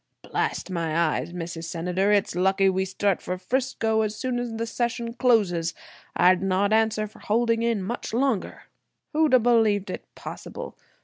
Blast my eyes, Mrs. Senator, it's lucky we start for 'Frisco as soon as the session closes. I'd not answer for holding in much longer. "Who'd have believed it possible!